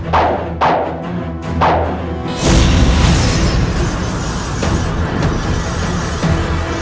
kalau kita memilahin energi apakah narcitya perempuan atau valley lu pada makhluk apa itu